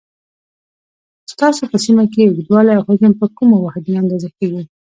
ستاسو په سیمه کې اوږدوالی او حجم په کومو واحدونو اندازه کېږي؟